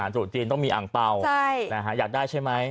ตรุษจีนต้องมีอ่างเป่าอยากได้ใช่ไหม